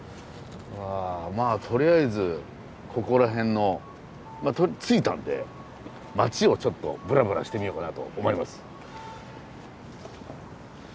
まあとりあえずここら辺の着いたんで町をちょっとブラブラしてみようかなと思います。